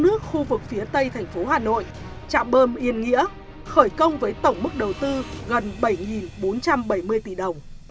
nước khu vực phía tây thành phố hà nội chạm bơm yên nghĩa khởi công với tổng mức đầu tư gần bảy bốn trăm bảy mươi tỷ đồng